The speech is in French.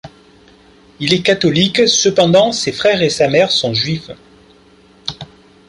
Il est catholique cependant ses frères et sa mère sont juifs.